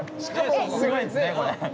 すごいですねこれ。